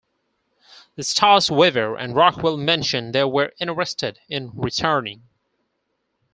Stars Weaver and Rockwell mentioned they were interested in returning.